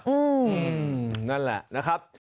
อืมนั่นแหละนะครับ